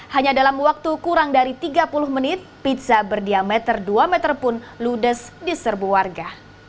hanya dalam waktu kurang dari tiga puluh menit pizza berdiameter dua meter pun ludes di serbu warga